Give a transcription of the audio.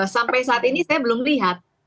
sampai saat ini saya belum lihat